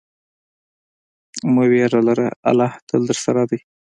مه ویره لره، الله تل درسره دی.